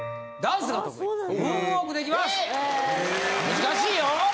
難しいよ！